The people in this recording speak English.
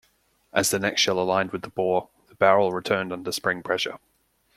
As the next shell aligned with the bore, the barrel returned under spring pressure.